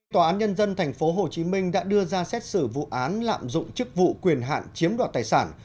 tòa án nhân dân tp hcm đã đưa ra xét xử vụ án lạm dụng chức vụ quyền hạn chiếm đoạt tài sản